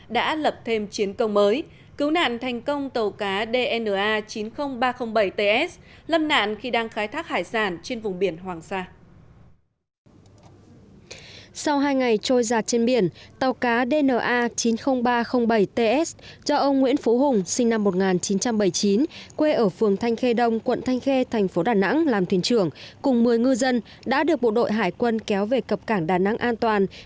đã lập thêm chiến công mới cứu nạn thành công tàu cá dna chín mươi nghìn ba trăm linh bảy ts